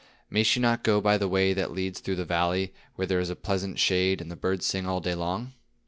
May she not go by the way that leads through the valley, where there is pleasant shade, and the birds sing all day long?"